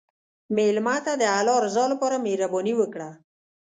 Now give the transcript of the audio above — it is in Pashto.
مېلمه ته د الله رضا لپاره مهرباني وکړه.